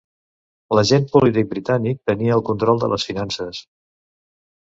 L'agent polític britànic tenia el control de les finances.